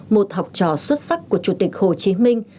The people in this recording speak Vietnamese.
một học trò xuất sắc của chủ tịch hồ chí minh